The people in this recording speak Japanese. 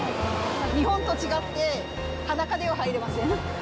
日本と違って裸では入れません。